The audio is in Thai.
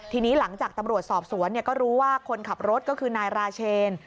ทีนี้หลังจากตำรวจสอบสวนก็รู้ว่าคนขับรถก็คือนายราเชน